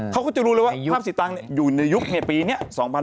คนไม่รู้ถึงอ๋อศิษย์ตังค์ไง